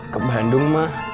ke bandung ma